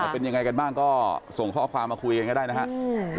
เป็นยังไงกันบ้างก็ส่งข้อความมาคุยกันก็ได้นะครับ